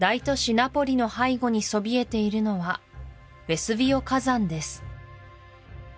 ナポリの背後にそびえているのはヴェスヴィオ火山です